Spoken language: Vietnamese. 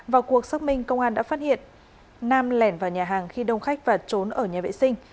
vào cuộc xác minh công an đã phát hiện nam lẻn vào nhà hàng khi đông khách và trốn ở nhà vệ sinh